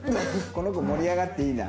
この子盛り上がっていいな。